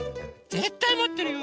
ぜったいもってるよ！